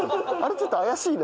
ちょっと怪しいな。